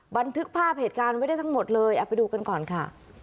บันทึกภาพเหตุการณ์ไว้ได้ทั้งหมดเลยเอาไปดูกันก่อนค่ะ